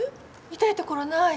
痛いところない？